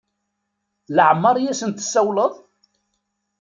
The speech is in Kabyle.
Laɛmeṛ i asen-tessawleḍ?